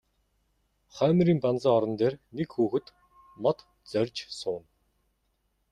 Хоймрын банзан орон дээр нэг хүүхэд мод зорьж сууна.